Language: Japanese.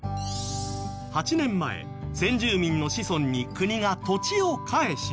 ８年前先住民の子孫に国が土地を返し。